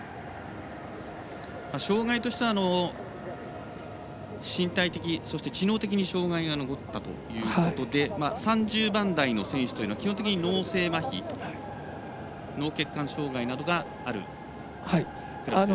障がいとしては身体的そして知能的に障害が残ったということで３０番台の選手というのは基本的に脳性まひ脳血管障がいなどがあるクラスです。